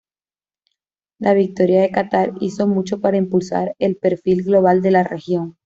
La victoria de Qatar hizo mucho para impulsar el perfil global de la región.